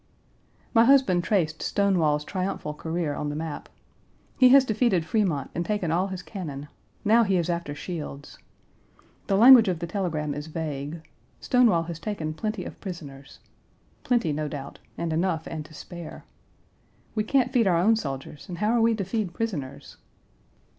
My husband traced Stonewall's triumphal career on the map. He has defeated Frémont and taken all his cannon; now he is after Shields. The language of the telegram is vague: "Stonewall has taken plenty of prisoners" plenty, no doubt, and enough and to spare. We can't feed our own soldiers, and how are we to feed prisoners?